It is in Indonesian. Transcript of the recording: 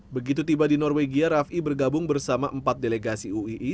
begitu tiba di norwegia rafi bergabung bersama empat delegasi uii